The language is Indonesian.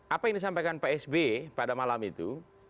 apa yang disampaikan pak sby pada malam itu